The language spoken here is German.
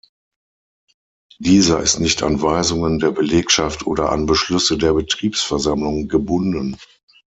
Dieser ist nicht an Weisungen der Belegschaft oder an Beschlüsse der Betriebsversammlung gebunden.